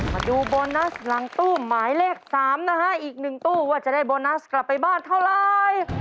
มาดูโบนัสหลังตู้หมายเลข๓นะฮะอีก๑ตู้ว่าจะได้โบนัสกลับไปบ้านเท่าไร